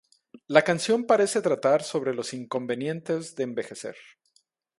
La canción parece tratar sobre los inconvenientes de envejecer.